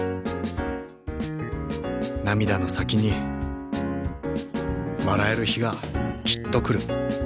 涙の先に笑える日がきっと来る。